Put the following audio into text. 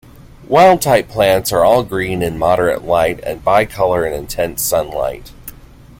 Wild-type plants are all green in moderate light and bicolor in intense sunlight.